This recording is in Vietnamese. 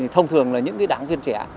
thông thường là những đảng viên trẻ